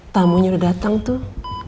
tamunya udah datang tuh